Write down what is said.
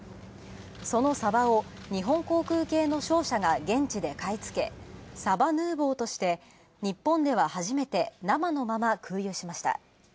そのサバを日本航空系の商社が現地で買い付け、サバヌーヴォーとして日本では初めて生のまま空輸しました。